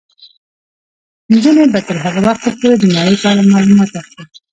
نجونې به تر هغه وخته پورې د نړۍ په اړه معلومات اخلي.